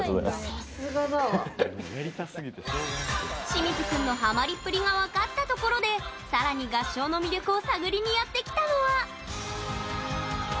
清水くんのハマりっぷりが分かったところでさらに合唱の魅力を探りにやってきたのは。